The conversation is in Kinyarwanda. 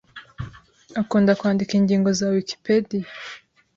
Akunda kwandika ingingo za Wikipedia.